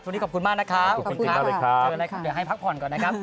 วันนี้ขอบคุณมากนะครับเดี๋ยวให้พักผ่อนก่อนนะครับ